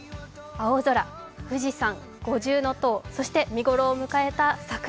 青空、富士山、五重塔、見ごろを迎えた桜。